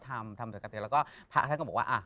ทำสังคตาทำอังสัก